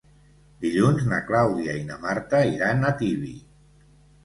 Dilluns na Clàudia i na Marta iran a Tibi.